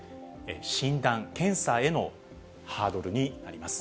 診断、検査へのハードルになります。